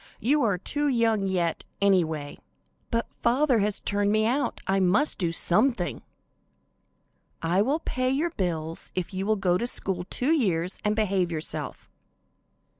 You are too young yet, anyway." "But father has turned me out, I must do something." "I will pay your bills if you will go to school two years and behave yourself."